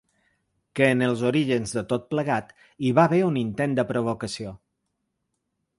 Que en els orígens de tot plegat hi va haver un intent de provocació.